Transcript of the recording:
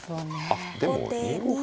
あっでも２五歩ですか。